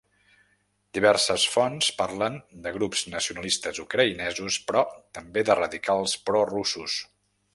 Diverses fonts parlen de grups nacionalistes ucraïnesos però també de radicals pro-russos.